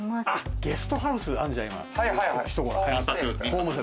ゲストハウスあるじゃん。